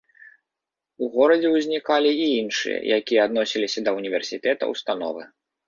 У горадзе ўзнікалі і іншыя, якія адносіліся да ўніверсітэта ўстановы.